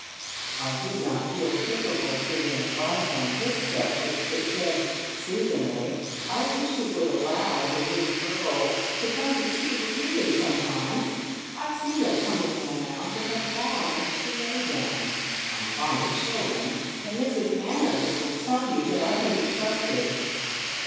I did not feel capable of giving advice on this subject, but said soothingly: "I wish you would allow the little girls to come to tea with me sometimes. I have seen them coming in and out, and have longed to know them. I'm fond of children, and Mrs Manners will tell you that I can be trusted."